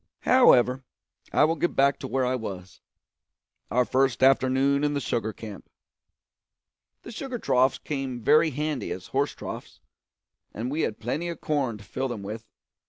However, I will get back to where I was our first afternoon in the sugar camp. The sugar troughs came very handy as horse troughs, and we had plenty of corn to fill them with.